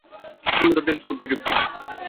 উন্নত টেলিস্কোপ প্রযুক্তি।